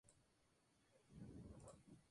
Cuenta con colmenares de abejas.